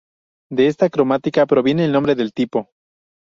De esta cromática proviene el nombre del tipo.